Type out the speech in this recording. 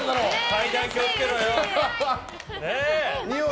階段気を付けろよ。